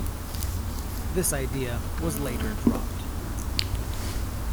This idea was later dropped.